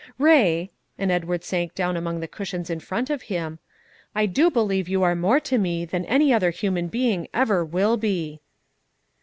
Ray," and Edward sank down among the cushions in front of him, "I do believe you are more to me than any other human being ever will be."